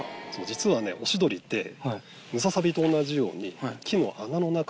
実はオシドリってムササビと同じように。